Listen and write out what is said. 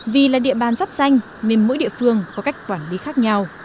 vì là địa bàn rắp ranh nên mỗi địa phương có cách quản lý khác nhau